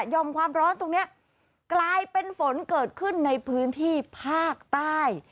อมความร้อนตรงนี้กลายเป็นฝนเกิดขึ้นในพื้นที่ภาคใต้